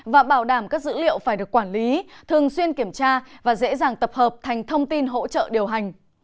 và bảo đảm các dữ liệu phải được quản lý thường xuyên kiểm tra và dễ dàng tập hợp thành thông tin hỗ trợ điều hành